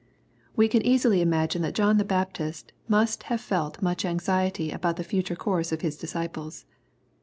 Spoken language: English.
We can easily imagine that John the Baptist must have felt much anxiety about the future course of his disciples.